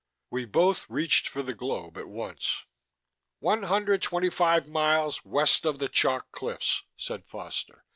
We both reached for the globe at once. "One hundred twenty five miles west of the chalk cliffs," said Foster.